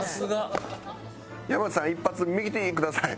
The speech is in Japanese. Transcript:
山内さん一発「ミキティ」ください。